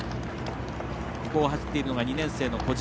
ここを走っているのが２年生の小島。